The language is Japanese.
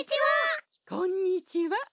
こんにちは。